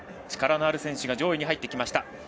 力のある選手が上位に入ってきました。